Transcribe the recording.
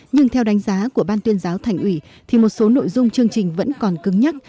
nhưng theo đánh giá của ban tuyên giáo thành ủy thì một số nội dung chương trình vẫn còn cứng nhắc